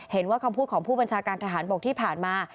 เห็นว่าคำพูดของผู้บัญชาการทหารบกที่ผ่านมา